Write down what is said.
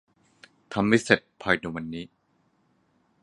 ทำให้เสร็จภายในวันนี้